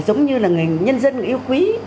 giống như là người nhân dân người yêu quý